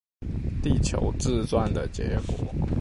地球自轉的結果